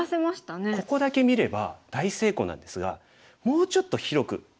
ここだけ見れば大成功なんですがもうちょっと広く見てほしいんですよね。